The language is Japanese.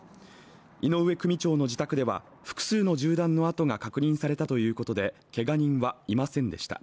井上組長の自宅では複数の銃弾の痕が確認されたということで、けが人はいませんでした。